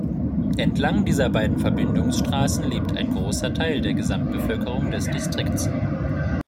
Entlang dieser beiden Verbindungsstraßen lebt ein großer Teil der Gesamtbevölkerung des Distrikts.